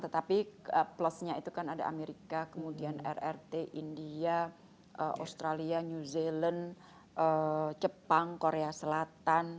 tetapi plusnya itu kan ada amerika kemudian rrt india australia new zealand jepang korea selatan